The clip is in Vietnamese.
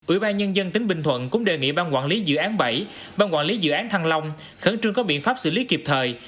ủy ban nhân dân tỉnh bình thuận cũng đề nghị ban quản lý dự án bảy bang quản lý dự án thăng long khẩn trương có biện pháp xử lý kịp thời